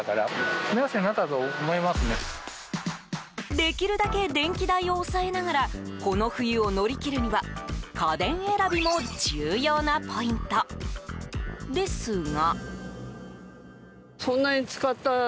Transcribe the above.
できるだけ電気代を抑えながらこの冬を乗り切るには家電選びも重要なポイントですが。